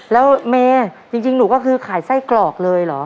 แล้วเมย์จริงหนูก็คือขายไส้กรอกเลยเหรอ